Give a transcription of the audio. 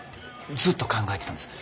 ずっと考えてたんです。